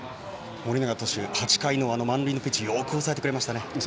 盛永投手、８回の満塁のピンチよく抑えてくれました。